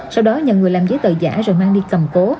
sau đó nhờ người làm giấy tờ giả rồi mang đi cầm cố